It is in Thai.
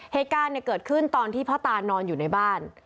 เหตุการณ์เกิดขึ้นตอนที่พ่อตานอนอยู่ในบ้าน